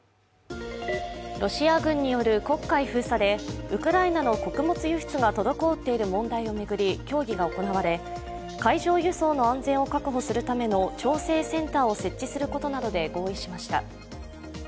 ロシア軍による黒海封鎖でウクライナの穀物輸出が滞っている問題を巡り協議が行われ海上輸送の安全を確保するための調整センターを設置することなどで合意しました。